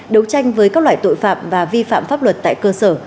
đấu tranh với các loại tội phạm và vi phạm pháp luật tại cơ sở